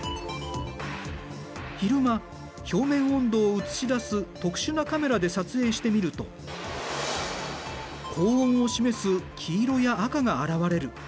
昼間表面温度を映し出す特殊なカメラで撮影してみると高温を示す黄色や赤があらわれる。